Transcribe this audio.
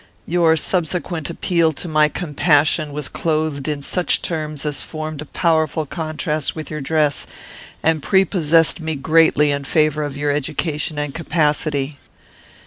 Your subsequent appeal to my compassion was clothed in such terms as formed a powerful contrast with your dress, and prepossessed me greatly in favour of your education and capacity.